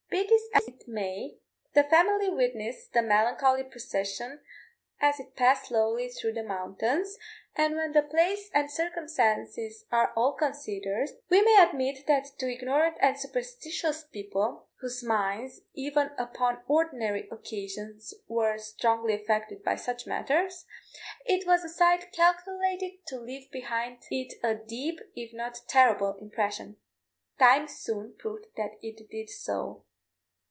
Be this as it may, the family witnessed the melancholy procession as it passed slowly through the mountains, and when the place and circumstances are all considered, we may admit that to ignorant and superstitious people, whose minds, even upon ordinary occasions, were strongly affected by such matters, it was a sight calculated to leave behind it a deep, if not a terrible impression. Time soon proved that it did so.